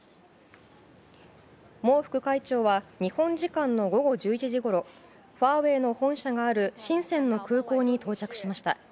モウ副会長は日本時間の午後１１時ごろファーウェイの本社があるシンセンの空港に到着しました。